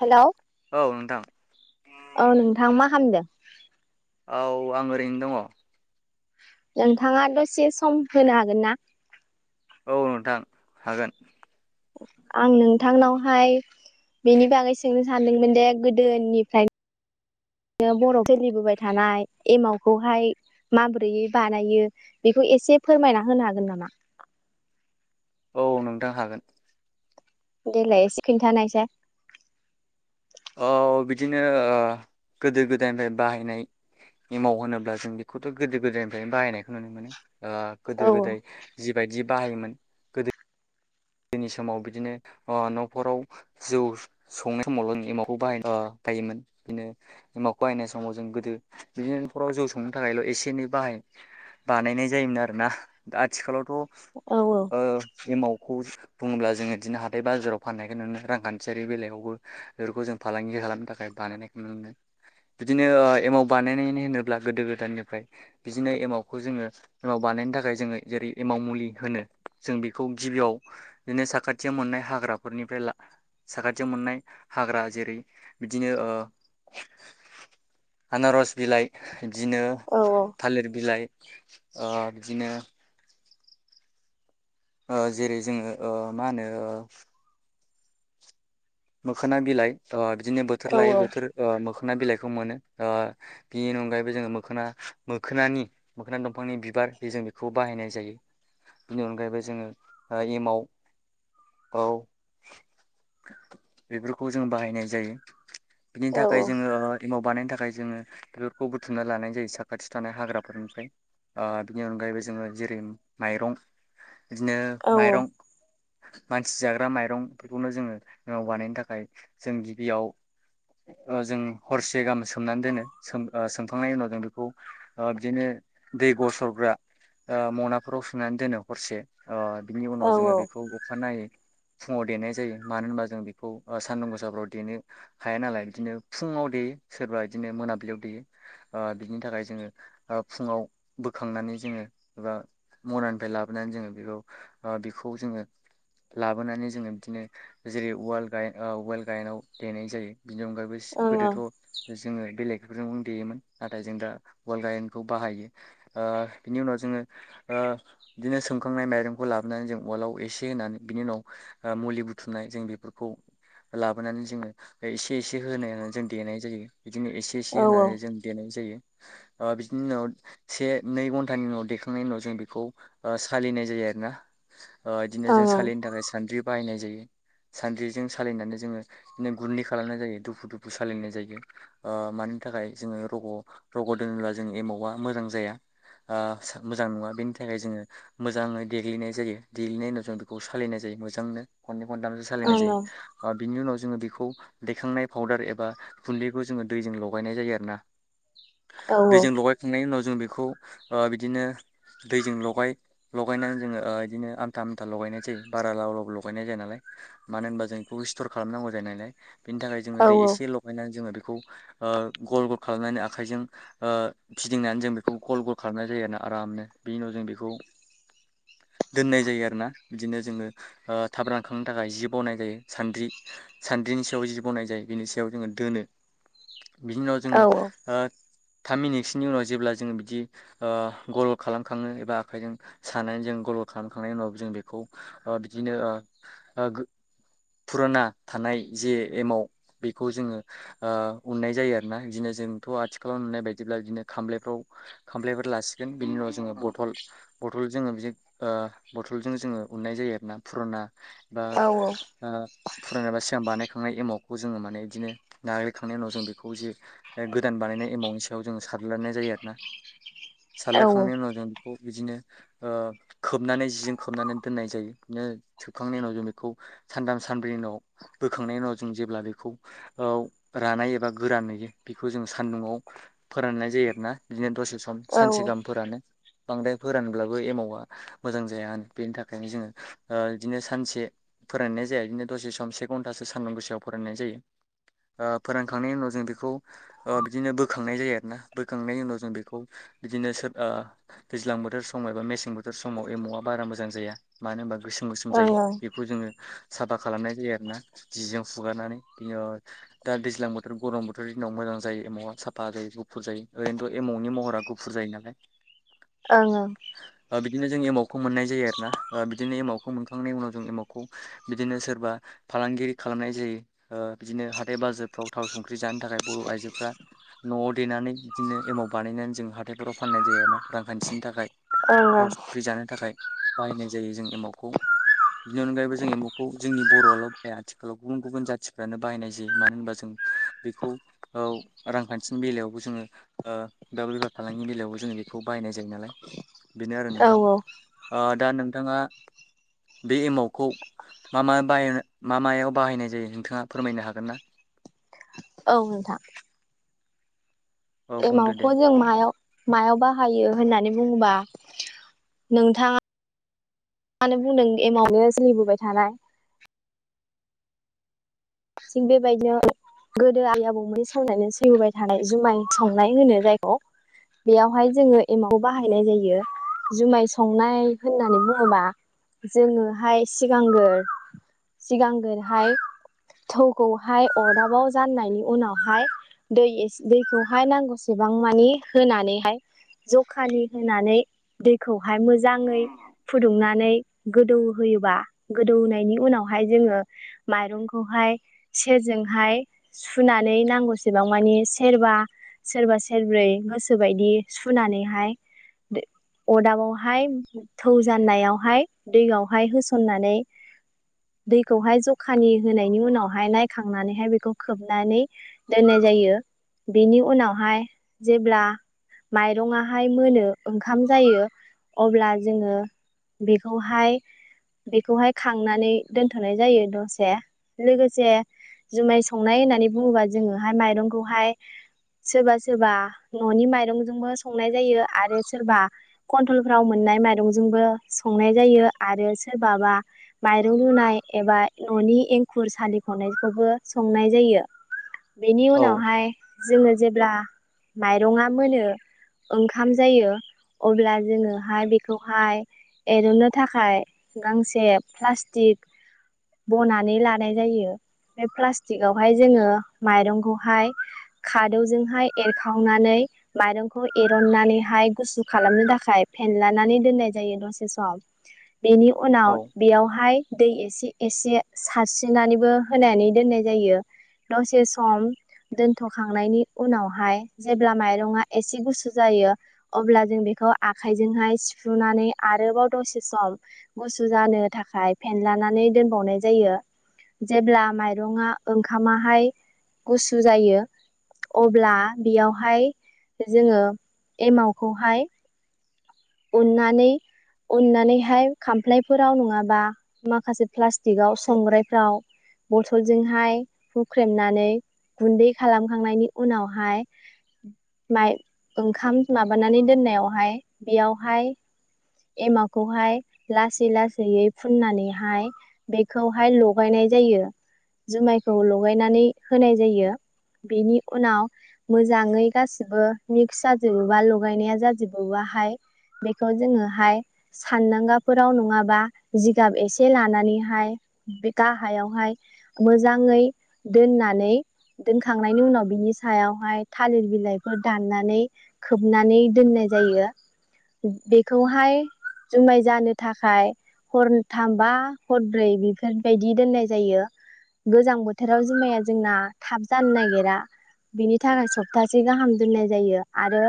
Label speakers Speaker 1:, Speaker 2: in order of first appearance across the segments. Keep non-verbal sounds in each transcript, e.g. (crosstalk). Speaker 1: Hello
Speaker 2: औ नोंथां
Speaker 1: औ नोंथां मा खामदों?
Speaker 2: औ आं ओरैनो दङ।
Speaker 1: नोंथांङा दसे सम होनो हागोन ना?
Speaker 2: औ नोंथां हागोन।
Speaker 1: आं नोंथांनावहाय बेनि बागै सोंनो सानदोंमोन दे गोदोनिफ्रायनो बर' सोलिबोबाय थानाय एमावखौहाय माबोरैयै बानायो बेखौ एसे फोरमायना होनो हागोन नामा?
Speaker 2: औ नोंथां हागोन।
Speaker 1: देलाय एसे खिन्थानायसाय।
Speaker 2: औ बिदिनो ओ गोदो गोदायनिफ्राय बाहायनाय एमाव होनोब्ला जों बेखौथ गोदो गोदायनिफ्रायनो बाहायनायखौ नुनो मोनो। ओ
Speaker 1: औ
Speaker 2: गोदो गोदाय जि बायदि बाहायोमोन गोदो नि समाव बिदिनो अ नखराव जौ संनाय समावल एमावखौ (inaudible) बिदिनो एमावखौ बाहायनाय समाव जों गोदो बिदिनो नखराव जौ संनो थाखायल एसे एनै बाहाय बानायनाय जायोमोन आरोना दा आथिखालाव थ
Speaker 1: औ
Speaker 2: ओ एमाव खौ बुङोब्ला जोङो बिदिनो हाथाइ बाजाराव फाननायखौ नुयो रांखान्थियारि बेलायावबो बेफोरखौ जों फालांगि खालामनो थाखाय बानायनायखौ नुनो मोनो बिदिनो एमाव बानायनानै होनोब्ला गोदो गोदायनिफ्राय बिदिनो एमावखौ जोङो एमाव बानायनो थाखाय जोङो जेरै एमाव मुलि होनो जों बेखौ गिबियाव बिदिनो साखाथियाव मोननाय हाग्राफोरनिफ्राय ला साखाथियाव मोननाय हाग्रा जेरै बिदिनो ओ आनारस बिलाइ, बिदिनो
Speaker 1: औ
Speaker 2: थालिर बिलाइ अ बिदिनो जेरै जोङो ओ मा होनो मोखाना बिलाइ (inaudible) बिदिनो बोथोर
Speaker 1: औ
Speaker 2: लायो बोथोर ओ मोखो ना बिलाइखौ मोनो ओ बिनि अनगायैबो जोङो मोखोना मोखोनानि मोखोना दंफांनि बिबार बे जों बेखौ बाहायनाय जायो बेनि अनगायैबो जोङो एमाव औ बेफोरखौ जों बाहायनाय जायो। बिनि
Speaker 1: औ
Speaker 2: थाखाय जोङो एमाव बानायनो थाखाय जोङो बेफोरखौ बुथुमना लानाय जायो साखाथि थानाय हाग्राफोरनिफ्राय ओ बिनि अनगायैबो जोङो जेरै माइरं बिदिनो
Speaker 1: औ
Speaker 2: माइरं मानसि जाग्रा माइरंफोरखौनो जोङो एमाव बानायनो थाखाय जों गिबियाव अ जों हरसे गाहाम सोमनानै दोनो सोम अ सोमखांनायनि उनाव जों बेखौ अ बिदिनो दै गसरग्रा ओ मनाफोराव सोमनानै दोनो हरसे। औ बिनि
Speaker 1: औ
Speaker 2: उनाव
Speaker 1: ओं
Speaker 2: जोङो बेखौ अखानायै फुङाव देनाय जायो मानो होनबा जों बेखौ सान्दुं गोसाफ्राव देनो हाया नालाय बिदिनो फुङाव देयो सोरबा बिदिनो मोनाबिलियाव देयो अ बिनि थाखाय जोङो अ फुङाव बोखांनानै जोङो एबा मनानिफ्राय लाबोनानै जोङो बेखौ अ बेखौ जोङो लाबोनानै जोङो बिदिनो जेरै उवाल गाय अ उवाल गायेनआव देनाय जायो। बिनि अनगायैबो
Speaker 1: ओं औ
Speaker 2: गोदोथ' जोङो बेलेग बेफोरजों देयोमोन नाथाय जों दा (unintelligible) गाइनखौ बाहायो ओ बिनि उनाव जोङो बिदिनो सोंखांनाय माइरंखौ लाबोनानै जों उवाल आव एसे होनानै बिनि उनाव मुलि बुथुम (unintelligible) जों बेफोरखौ लाबोनानै जोङो एसे एसे होनायनै जों देनाय जायो बिदिनो एसे
Speaker 1: औ
Speaker 2: एसे
Speaker 1: ओं
Speaker 2: होनानै जों देनाय जायो बिदिनि उनाव से नै घन्टानि उनाव दैेखांनायनि उनाव जों बेखौ सालिनाय जायो आरोना बिदिनो
Speaker 1: ओं
Speaker 2: जों सालिनो थाखाय सानद्रि बाहायनाय जायो (unintelligible) सान्द्रिजों साललिनानै जोङो बिनो गुरनै खालामनाय जायो दुफु दुफु साललिनाय जायो मानि थाखाय जोङो रग' रग' दोनोब्ला जों एमावा मोजां जाया मोजां नङा बेनि थाखाय जोङो मोजाङै देग्लिनाय जायो देग्लिनायनि उनाव जों बेखौ सालायनाय जायो मोजांनो खननै खन्थाम सालायनाय
Speaker 1: ओं ओं
Speaker 2: जायो बिनि उनाव जोङो खौ दैखांनाय पाउदार एबा गुन्दैखौ जोङो दैजों लगायनाय जायो आरोना
Speaker 1: औ
Speaker 2: दैजों लगायखांनायनि उनाव जों बेखौ बिदिनो दैजों लगाय लगायनानै जोङो बिदिनो आमथा आमथा लगायनाय जायो बारा लाव लाव लगायनाय जाया नालाय मानो होनबा जों बेखौ स्टर खालामनांगौ जायो नालाय बिनि थाखाय
Speaker 1: औ
Speaker 2: जोङो दै एसे लगायनानै जोङो गल गल खालामनानै आखायजों फिदिंनानै जों बेखौ गल गल खालामनाय जायोना आरामनो बेनि उनाव जों बेखौ दोननाय जायो आरोना बिदिनो जोङो थाब रान हुखांनो थाखाय जि बनाय जायो सान्द्रि सान्द्रिनि सायाव जि बनाय जायो बिनि सायाव जोङो दोनो बिनि उनाव
Speaker 1: औ
Speaker 2: जोङो थाम मिनिटसोनि उनाव जेब्ला जोङो बिदि गलद खालाम खाङो एबा आखाइजों सानानै जों गलद खालामखांनायनि उनाव जों बेखौ बिदिनो फुराना थानाय जे एमाव बेखौ जोङो उननाय जायो आरोोना बिदिनो जोंथ' आथिखालाव नुनाय बायदिब्ला बिदिनो खामलफ्राव खाम्लायफोर लासिगोन बिनि उनाव जोङो बथल बथल जोङो बिदि बथलजों जोङो उन्नाय जायो आरोना फुराना बा
Speaker 1: औ ओं
Speaker 2: फुरानाबा सिगां बानाय खांनाय एमाउखौ जोङो माने बिदिनो नाग्लिखांनायनि उनाव जों बेखौ जे गोदान बानायनाय एमाउनि सायाव जों सारलानाय जायो आरो ना सारला
Speaker 1: ओं
Speaker 2: खांनाय उनाव जों बे खौ बिदिनो खोबनानै जिजों खोबनानै दोननाय जायो बिदिनो सोबखांनायनि उनाव जों बेखौ सानथाम सानब्रैनि उनाव बोखांनायनि उनाव जों जेब्ला बेखौ रानाय एबा गोरान होयो बेखौ जों सान्दुंआव फोराननाय जायो आरोना बिदिनो दसे सम सानसे गाहामफोरानो बांद्राय फोरानब्लाबो एमावा मोजां जाया होनो बेनि थाखायनो जोङो बिदिनो सानसे फोराननाय जाया बिदिनो दसे सम से घन्टासो सानदुं गोसायाव फरायनाय जायो फोरानखांनायनि उनाव जों बेखौ बिदिनो बोखांनाय जायो आरोना बोखांनायनि उनाव जों बेखौ बिदिनो सोर दैज्लां बोथोर समाव एबा मेसें बोथोर समाव एम'आ बारा मोजां जाया मानो होनबा गोसो जायो बेखौ जोङो साफा खालामनाय जायो आरोोना जिजों फुगारनानै बि दा दैज्लां बोथोर गरम बोथोरनि दिनाव मोजां जायो एमौवआ साफा जायो गुफुर जायो ओरैनोथ' एमावनि महरा गुफुर जायो नालाय
Speaker 1: ओं ओं
Speaker 2: ओ बिदिनो जों एमावखौ मोननाय जायो आरो ना बिदिनो एमावखौ खौ मोनखांनायनि उनाव जों एमावखौ बिदिनो सोरबा फालांगिरि खालामनाय जायो बिदिनो हाथाय बाजारफ्राव थाव संख्रि जानो थाखाय बर' आइजोफ्रा न'आव देनानै बिदिनो एमाव बानायनानै जों हााइथायफोराव फाननाय जायो आरोना रांखान्थिनि थाखाय
Speaker 1: ओं
Speaker 2: थाव संख्रि जानो थाखाय बाहायनाय जायो जों एमावखौ बेनि अनगायैबो जों एम'खौ जोंनि बर'आल' बाहाया आथिखालाव गुबुन गुबुन जाथिफ्रानो बाहायनाय जायो मानो होनबा जों बेखौ औ रांखान्थिनि बेलायावबो जोङो ओ बेबा बेफार फालांगिनि बेलायावबो जोङो बेखौ बाहायनाय जायो नालाय। बेनो आरो
Speaker 1: औ
Speaker 2: नोंथां ओर। दा नोंथाङा। बे एमावखौ मा मा मायाव बाहायनाय जायो नोंथाङा फोरमायनो हागोन ना।
Speaker 1: औ नोंथां।
Speaker 2: औ बुंदो
Speaker 1: एमावखौ
Speaker 2: दे
Speaker 1: जों मायाव मायाव बाहायो होननानै बुङोबा नोंथाङा आनो बुंदों एमाव ओ सोलिबोबाय थानाय थिग बेबायदिनो गोदो आइ आबौनि समनानो सैबोबाय थानाय जुमाय संनाय होनो जायखौ बेयावहाय जोङो एमावखौ बाहायनाय जायो जुमाय संनाय होननानै बुङोबा जोङोहाय सिगांनो सिगांगोरहाय थौखौहाय अरदाबाव जाननायनि उनावहाय दै एस दैखौहाय नांगौसेबां मानि होनानैहाय जखानि होनानै दैखौ हाय मोजाङै फुदुंनानै। गोदौहोयोबा गोदौनायनि उनावहाय जोङो माइरं खौहाय सेरजोंहाय सुनानै नांगौसेबां मानि सेरबा सेरबा सेरब्रै गोसोबायदि सुनानैहाय दो अदाबावहाय थौ जाननायावहाय दैयावहाय होसननानै दैखौहाय जखानि होनायनि उनावहाय नायखांनानैहाय बेखौ खोबनानै दोननाय जायो बेनि उनावहाय जेब्ला माइरङाहाय मोनो ओंखाम जायो अब्ला जोङो बेखौहाय बेखौहाय खांनानै दोनथनाय जायो दसे लोगोसे जुमाय संनाय होननानै बुङोबा जोङोहाय माइरंखौहाय सोरबा सोरबा ननि माइरंजोंबो संनाय जायो आरो सोरबा कनथलफ्राव मोननाय माइरंजोंबो संनाय जायो आरो सोरबाबा माइरं रुनाय एबा ननि एं खुर सालिखनायखौबो संनाय जायो बेनि
Speaker 2: औ
Speaker 1: उनावहाय जोङो जेब्ला माइरङा मोनो ओंखाम जायो अब्ला जोङोहाय बेखौहाय एरननो थाखाय गांसे प्लास्टिक बनानै ला नाय जायो बफ्राय प्लास्टिगावहाय जोङो माइरंखौहाय खादौजोंहाय एरखावनानै माइरंखौ एरननानैहाय गुसु खालामनो थाखाय फेनलानानै दोननाय जायो दसे सम बेनि उनाव
Speaker 2: औ
Speaker 1: बेयावहाय दै एसे एसे सारस दिनानैबो होनानै दोननाय जायो दसे सम दोनथखांनायनि उनावहाय जेब्ला माइरङा एसे गुसु जायो अब्ला जों बेखौ आखाइजोंहाय सिफ्रुनानै आरोबाव दसे सम गुसु जानो थाखाय फेनलानानै दोनबावनाय जायो जेब्ला माइरङा ओंखामाहाय गुसु जायो अब्ला बेयावहाय जोङो एमावखौहाय उननानै उननानैहाय खामफ्लायफोराव नङाबा माखासे प्लास्टिकआव संग्रायफ्राव बथलजोंहाय हुख्रेमनानै गुन्दै खालामखांनायनि उनावहाय माइ ओंखाम माबानानै दोननायावहाय बेयावहाय एमावखौहाय लासै लासैयै फुननानैहाय बेखौहाय लगायनाय जायो जुमायखौ लगायनानै होनाय जायो बेनि उनाव मोजाङै गासिबो मिक्स जाजोबोबा लगायनाया जाजोबोबा हाय बेखौ जोङोहाय सानदांगाफोराव नङाबा जिगाब एसे लानानैहाय बे गाहायावहाय मोजाङै दोननानै दोनखांनायनि उनाव बिनि सायावहाय थालिर बिलाइफोर दाननानै खोबनानै दोननाय जायो बेखौहाय जुमाय जानो थाखाय हरथाम बा हरब्रै बेफोरबायदि दोननाय जायो गोजां बोथोराव जुमाया जोंना थाब जानो नागिरा बिनि थाखाय सप्तासे गाहाम दोननाय जायो आरो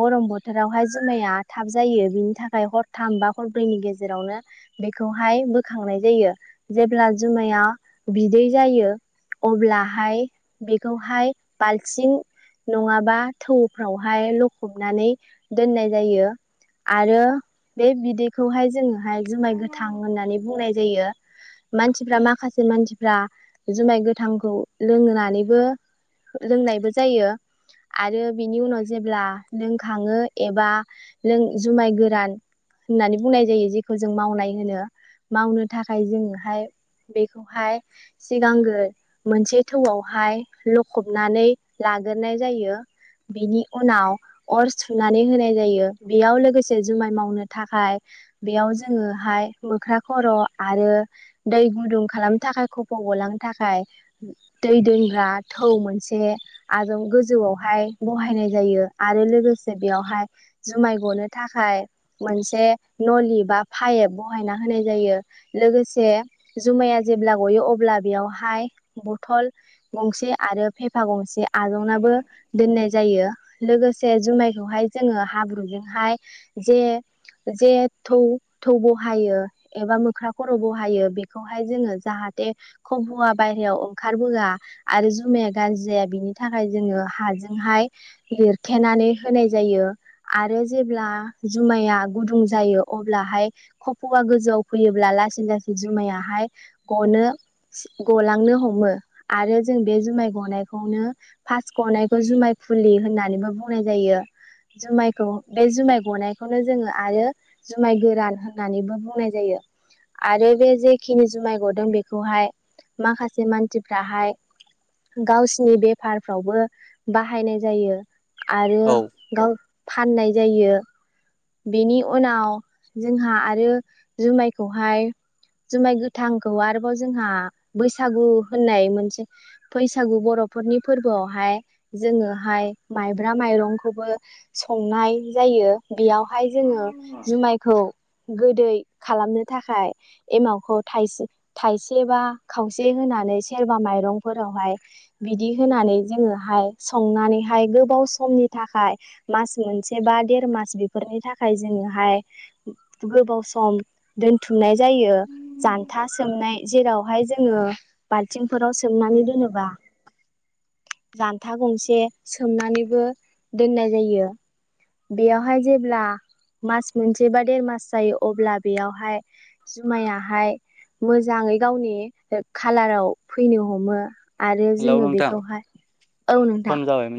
Speaker 1: गरम बोथोरावहाय जुमाया थाब जायो बिनि थाखाय हरथाम बा हरब्रैनि गेजेरावनो बेखौहाय बोखांनाय जायो जेब्ला जुमाया बिदै जायो अब्लाहाय बेखौहाय बाल्थिं नङाबा थौफ्रावहाय लखबनानै दोननाय जायो आरो बे बिदैखौहाय जोङो हाय जुमाय गोथां होननानै बुंनाय जायो मानसिफ्रा माखासे मानसिफ्रा जुमाय गोथांखौ लोंहनानैबो लोंनायबो जायो आरो बिनि उनाव जेब्ला लोंखाङो एबा लों जुमाय गोरान होननानै बुंनाय जायो जेखौ जों मावनाय होनो मावनो थाखाय जोङोहाय बेखौहाय सिगांग्रो मोनसे थौआवहाय लखबनानै लाग्रोनाय जायो बेनि उनाव अर सुनानै होनाय जायो बेयाव लोगोसे जुमाय मावनो थाखाय बेयाव जोङोहाय मोख्रा खर आरो दै गुदुं खालामनो थाखाय खफ गलांनो थाखाय दै दोनग्रा थौ मोनसे आजौ गोजौआवहाय बहायनाय जायो आरो लोगोसे बेयावहाय जुमाय गनो थाखाय मोनसे नलि बा पाइब बहायना होनाय जायो लोगोसे जुमाया जेब्ला गयो अब्ला बेयावहाय बथल गंसे आरो फेफा गंस बे आलंनाबो दोननाय जायो लोगोसे जुमायखौहाय जोङो हाब्रु बेजोंहाय जे जे थौ थौ बहायो एबा मोख्रा खर बहायो बेखौहाय जोङो जाहाथे खबया बायहायाव ओंखारबोआ आरो जुमाया गाज्रि जाया बिनि थाखाय जोङो हाजोंहाय लिरथेनानै होनाय जायो। आरो जेब्ला जुमाया गुदुं जायो अब्लाहाय खफया गोजौआव फैयोब्ला लासै लासै जुमायाहाय गनो गलांनो हमो आरो जों बे जुमाय गनायखौनो फार्स्ट गनायखौ जुमाय फुनलि होननानैबो बुंनाय जायो जुमाय औ बे जुमाइ गनायखौनो जोङो आरो जुमाइ गोरान होननानैबो बुंनाय जायो आरो बे जेखिनि जुमाइ गदों बेखौहाय माखासे मानसिफ्राहाय गावसिनि बेफारफ्रावबो बाहायनाय जायो। आरो
Speaker 2: औ
Speaker 1: गाव होननाय जायो बेनि उनाव जोंहा आरो जुमाइखौहाय जुमाइ गोथांखौ आरोबाव जोंहा बैसागु होननाय मोनसे बैसागु बरफोरनि फोरबोआवहाय जोङोहाय माइब्रा माइरंखौबो संनाय जायो बेयाव हाय जोङो जुमायखौ गोदै खालामनो थाखाय एमावखौ थाइसे थाइसे बा खावसे होनानै सोरबा माइरंफोरावहाय बिदि होनानै जोङोहाय संनानैहाय गोबाव समनि थाखाय मास मोनसे बा देर मास बेफोरनि थाखाय जोङोहाय गोबाव सम दोनथुमनाय जायो जान्था सोमनाय जेरावहाय जोङो बाल्थिंफोराव सोमनानै दोनोबा जान्था गंसे सोमनानैबो दोननाय जायो बेयावहाय जेब्ला मास मोनसे बा देर मास जायो अब्ला बेयावहाय जुमायाहाय मोजाङै गावनि खालाराव फैनो हमो आरो
Speaker 2: हेलौ
Speaker 1: जोङो
Speaker 2: नोंथां
Speaker 1: बेखौहाय औ
Speaker 2: सम
Speaker 1: नोंथां
Speaker 2: जाबायमोन